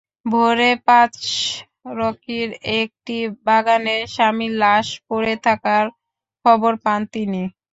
ভোরে পাঁচরকির একটি বাগানে স্বামীর লাশ পড়ে থাকার খবর পান তিনি।